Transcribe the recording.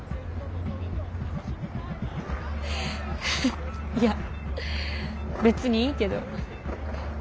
ハハッいや別にいいけど。